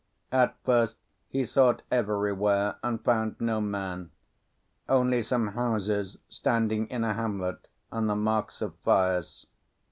At first he sought everywhere and found no man; only some houses standing in a hamlet, and the marks of fires.